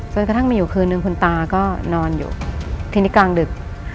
กระทั่งมีอยู่คืนนึงคุณตาก็นอนอยู่ทีนี้กลางดึก